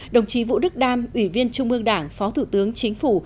đồng chí vũ đức đam ủy viên trung ương đảng phó thủ tướng chính phủ